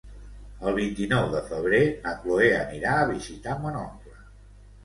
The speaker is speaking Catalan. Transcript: El vint-i-nou de febrer na Cloè anirà a visitar mon oncle.